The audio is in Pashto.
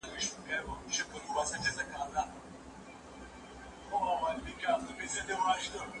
هغه ښځه چي د خپلي کورنۍ پرته بل ځای خپل زينت ښکاره کوي.